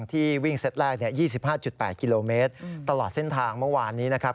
ที่วิ่งเซตแรก๒๕๘กิโลเมตรตลอดเส้นทางเมื่อวานนี้นะครับ